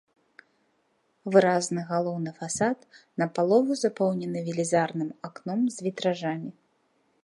Выразны галоўны фасад напалову запоўнены велізарным акном з вітражамі.